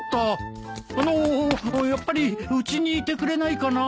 あのやっぱりうちにいてくれないかな？